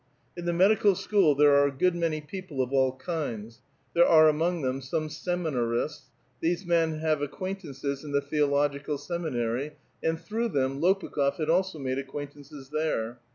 In the medical school there are a good many people of all kinds; there are among them some seminarists; these men lisive acquaintances in the theological seminary, and through t;li3m Lopukh6f had also made acquaintances there.